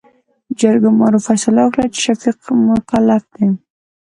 جرګمارو فيصله وکړه چې، شفيق مکلف دى.